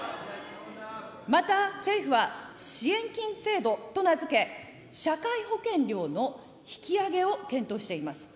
また政府は、支援金制度と名付け、社会保険料の引き上げを検討しています。